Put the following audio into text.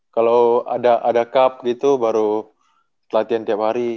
kalau ada cup gitu baru latihan tiap hari